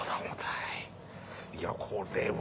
いやこれは。